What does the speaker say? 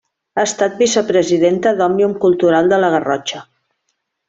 Ha estat vicepresidenta d’Òmnium Cultural de la Garrotxa.